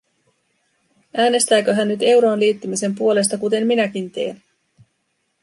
Äänestääkö hän nyt euroon liittymisen puolesta, kuten minäkin teen?